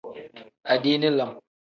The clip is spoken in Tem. Adiini lam.